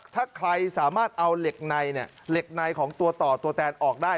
ถ้าใครสามารถเอาเหล็กในเหล็กในของตัวต่อตัวแตนออกได้